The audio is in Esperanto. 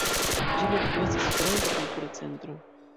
Ĝi ne plu estas "Esperanta Kultura Centro".